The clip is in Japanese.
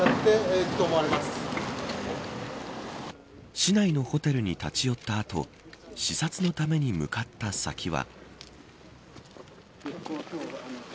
市内のホテルに立ち寄った後視察のために向かった先は。